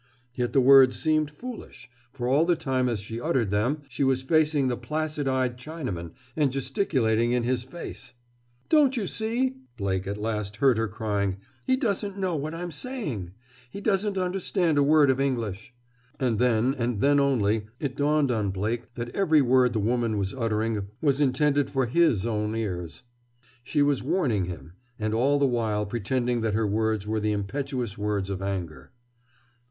Yet the words seemed foolish, for all the time as she uttered them, she was facing the placid eyed Chinaman and gesticulating in his face. "Don't you see," Blake at last heard her crying, "he doesn't know what I'm saying! He doesn't understand a word of English!" And then, and then only, it dawned on Blake that every word the woman was uttering was intended for his own ears. She was warning him, and all the while pretending that her words were the impetuous words of anger.